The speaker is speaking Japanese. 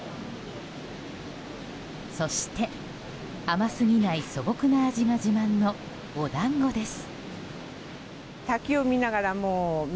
そして、甘すぎない素朴な味が自慢の、お団子です。